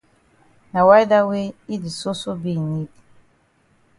Na why dat wey yi di soso be in need.